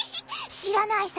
知らないさ？